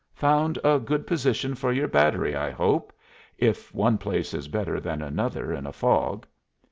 Found a good position for your battery, I hope if one place is better than another in a fog."